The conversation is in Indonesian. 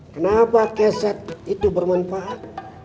kenapa keset itu bermanfaat